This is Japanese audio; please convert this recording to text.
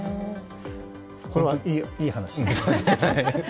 これは、いい話です。